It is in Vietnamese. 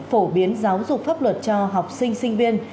phổ biến giáo dục pháp luật cho học sinh sinh viên